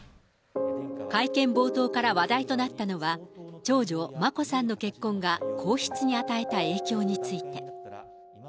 会見冒頭から話題となったのは、長女、眞子さんの結婚が皇室に与えた影響について。